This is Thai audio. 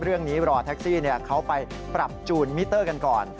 เรื่องนี้รอแท็กซี่เขาไปปรับจูนมิเตอร์กันก่อน